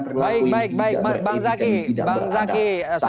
perlaku ini tidak beredikan tidak berada